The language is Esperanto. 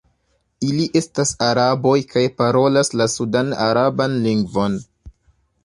Ili estas araboj kaj parolas la sudan-araban lingvon.